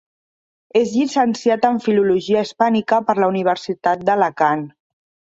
És llicenciat en Filologia Hispànica per la Universitat d'Alacant.